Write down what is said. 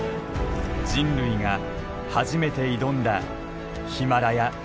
人類が初めて挑んだヒマラヤ悪魔の谷。